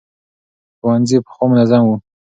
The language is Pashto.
ښوونځي پخوا منظم وو.